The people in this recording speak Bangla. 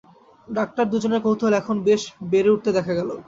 ডাক্তার দুজনের কৌতুহল এখন বেশ বেড়ে উঠতে দেখা গেল।